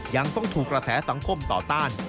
ยังต้องถูกกระแสสังคมต่อต้าน